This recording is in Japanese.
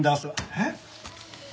えっ？